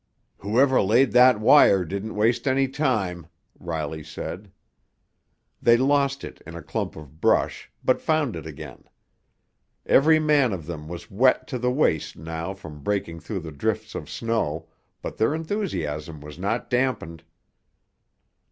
"Whoever laid that wire didn't waste any time," Riley said. They lost it in a clump of brush, but found it again. Every man of them was wet to the waist now from breaking through the drifts of snow, but their enthusiasm was not dampened.